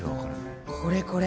これこれ。